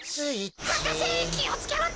博士きをつけろってか！